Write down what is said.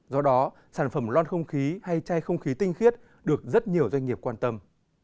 do đó sản phẩm lon không khí hay chai không khí tinh khiết được rất nhiều doanh nghiệp quan tâm